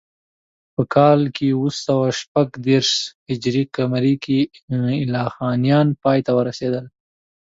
په کال اوه سوه شپږ دېرش هجري قمري کې ایلخانیان پای ته ورسېدل.